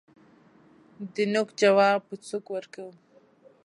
دنوک جواب په سوک ورکوو